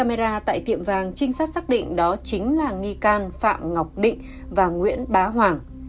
camera tại tiệm vàng trinh sát xác định đó chính là nghi can phạm ngọc định và nguyễn bá hoàng